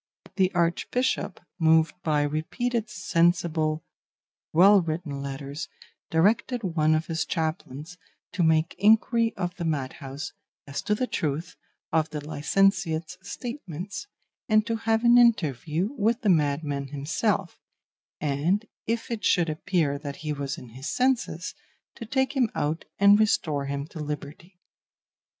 The Archbishop, moved by repeated sensible, well written letters, directed one of his chaplains to make inquiry of the madhouse as to the truth of the licentiate's statements, and to have an interview with the madman himself, and, if it should appear that he was in his senses, to take him out and restore him to liberty.